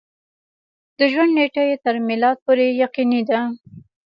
د ژوند نېټه یې تر میلاد پورې یقیني ده.